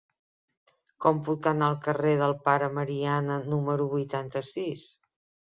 Com puc anar al carrer del Pare Mariana número vuitanta-sis?